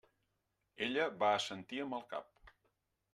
Ella va assentir amb el cap.